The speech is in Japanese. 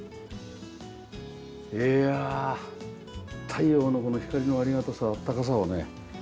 いや太陽のこの光のありがたさ暖かさをね